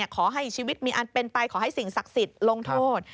ขอให้ชีวิตมีอันเป็นไปขอให้สิ่งศักดิ์สิทธิ์ลงโทษ